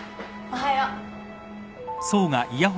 おはよう。